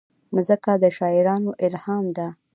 مځکه د شاعرانو الهام ده.